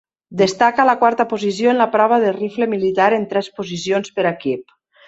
Destaca la quarta posició en la prova de rifle militar en tres posicions per equip.